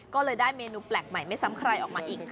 ก็เลยได้เมนูแปลกใหม่ไม่ซ้ำใครออกมาอีก